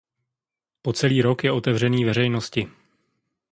Po celý rok je otevřený veřejnosti.